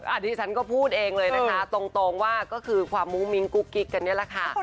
อันนี้ฉันก็พูดเองเลยนะคะตรงว่าก็คือความมุ้งมิ้งกุ๊กกิ๊กกันนี่แหละค่ะ